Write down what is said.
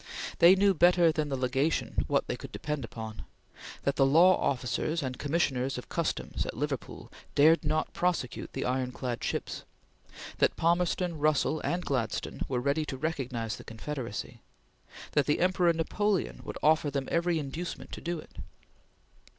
They knew better than the Legation what they could depend upon: that the law officers and commissioners of customs at Liverpool dared not prosecute the ironclad ships; that Palmerston, Russell, and Gladstone were ready to recognize the Confederacy; that the Emperor Napoleon would offer them every inducement to do it.